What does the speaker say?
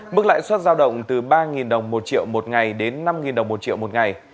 mức lãi suất giao động từ ba đồng một triệu một ngày đến năm đồng một triệu một ngày